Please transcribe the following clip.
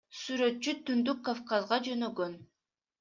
Сүрөтчү Түндүк Кавказга жөнөгөн.